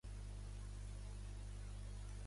Herrero és un escriptor nascut a Barcelona.